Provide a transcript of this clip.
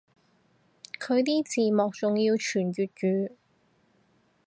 佢啲字幕仲要全粵文